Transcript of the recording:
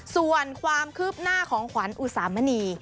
ส่วนความคืบหน้าของขวัญอุสามณี